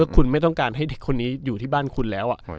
คุณไม่ต้องการให้เด็กคนนี้อยู่ที่บ้านคุณแล้ว